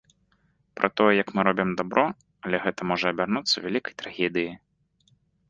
Пра тое, як мы робім дабро, але гэта можа абярнуцца вялікай трагедыяй.